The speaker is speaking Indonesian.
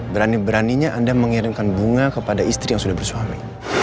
berani beraninya anda mengirimkan bunga kepada istri yang sudah bersuali